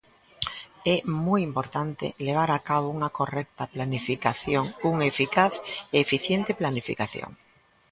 É moi importante levar a cabo unha correcta planificación, unha eficaz e eficiente planificación.